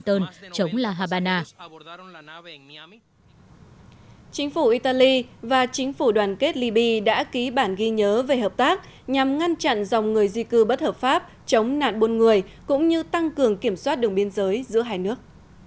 tháng bảy năm hai nghìn một mươi sáu cuba và mỹ đã ký biên bản ghi nhớ về hợp tác nhằm ngăn chặn dòng người di cư bất hợp pháp chống nạn buôn người cũng như tăng cường kiểm soát đường biên giới giữa hai nước